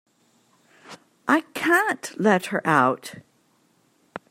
I can't let her out.